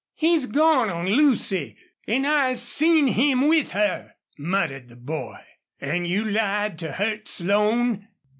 "He's gone on Lucy an' I seen him with her," muttered the boy. "An' you lied to hurt Slone?"